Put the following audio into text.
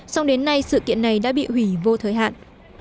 xong đến nay sự kiện này đã bị hủy vô thời hạn